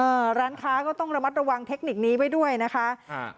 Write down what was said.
ร้านค้าก็ต้องระมัดระวังเทคนิคนี้ไว้ด้วยนะคะอ่า